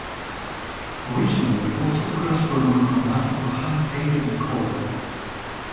Originally, all photographs were monochromatic or hand-painted in color.